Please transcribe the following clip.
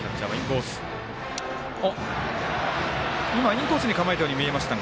今、インコースに構えたように見えましたが。